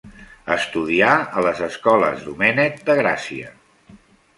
Estudià a les Escoles Domènec, de Gràcia.